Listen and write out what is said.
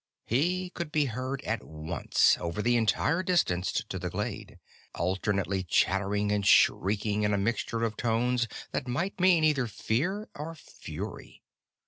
He could be heard at once, over the entire distance to the glade, alternately chattering and shrieking in a mixture of tones that might mean either fear or fury.